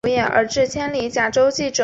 是该国九个总教区之一。